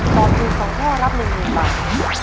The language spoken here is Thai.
ตอบถูก๒ข้อรับ๑๐๐๐บาท